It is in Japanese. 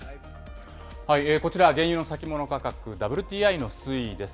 こちら、原油の先物価格、ＷＴＩの推移です。